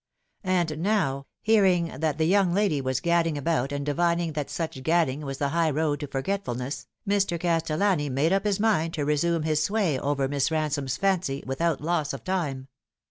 And now, hearing th_fc the young lady was gadding about, and divining that such gadding was the high road to forgetful ness, Mr. Castellani made up his mind to resume his sway over Miss Ransome's fancy without loss of time.